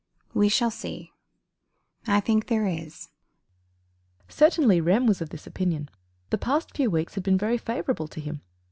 "We shall see. I think there is." Certainly Rem was of this opinion. The past few weeks had been very favourable to him.